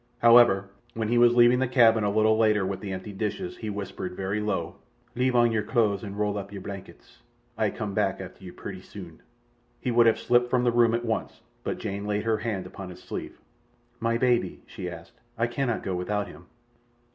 However, when he was leaving her cabin a little later with the empty dishes he whispered very low, "Leave on your clothes an' roll up your blankets. Ay come back after you purty soon." He would have slipped from the room at once, but Jane laid her hand upon his sleeve. "My baby?" she asked. "I cannot go without him."